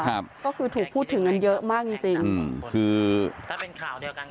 ครับก็คือถูกพูดถึงกันเยอะมากจริงจริงอืมคือถ้าเป็นข่าวเดียวกัน